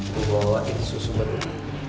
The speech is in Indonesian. lo bawa susu buat lo